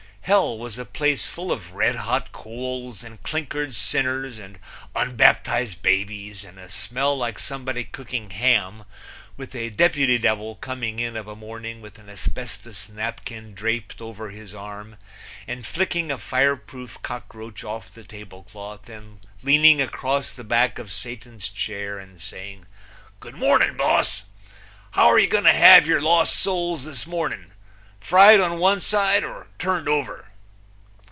Hell was a place full of red hot coals and clinkered sinners and unbaptized babies and a smell like somebody cooking ham, with a deputy devil coming in of a morning with an asbestos napkin draped over his arm and flicking a fireproof cockroach off the table cloth and leaning across the back of Satan's chair and saying: "Good mornin', boss. How're you going to have your lost souls this mornin' fried on one side or turned over?"